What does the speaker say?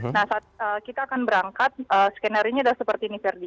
nah saat kita akan berangkat skenario nya adalah seperti ini ferdi